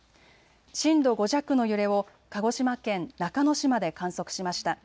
震度５弱の揺れを鹿児島県中之島で観測しました。